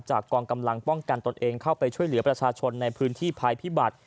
กองกำลังป้องกันตนเองเข้าไปช่วยเหลือประชาชนในพื้นที่ภัยพิบัติ